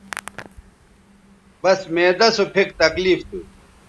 بس معدہ سو پھک تکلیف تھو